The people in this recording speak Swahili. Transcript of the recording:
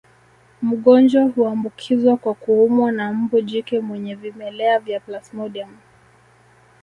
Mgonjwa huambukizwa kwa kuumwa na mbu jike mwenye vimelea vya plasmodium